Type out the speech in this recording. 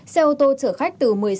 xe ô tô chở khách từ năm trăm linh kg